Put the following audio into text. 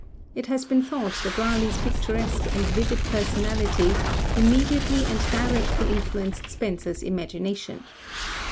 It has been thought that Raleigh's picturesque and vivid personality immediately and directly influenced Spenser's imagination.